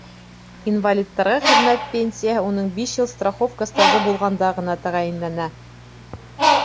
— Инвалидтарға хеҙмәт пенсияһы уның биш йыл страховка стажы булғанда ғына тәғәйенләнә.